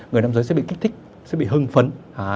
người nam giới sẽ bị kích thích sẽ bị hưng phấn